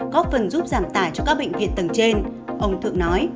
có phần giúp giảm tải cho các bệnh viện tầng trên ông thượng nói